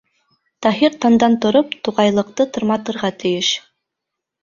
Таһир таңдан тороп, туғайлыҡты тырматырға тейеш.